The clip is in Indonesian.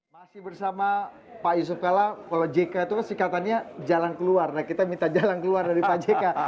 masih bersama pak yusuf kalla kalau jk itu kan sikatannya jalan keluar nah kita minta jalan keluar dari pak jk